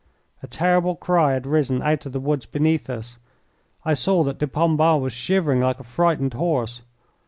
A terrible cry had risen out of the woods beneath us. I saw that de Pombal was shivering like a frightened horse.